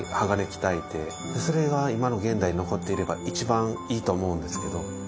鋼鍛えてそれが今の現代に残っていれば一番いいと思うんですけど。